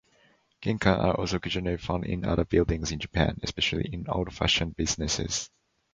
"Genkan" are also occasionally found in other buildings in Japan, especially in old-fashioned businesses.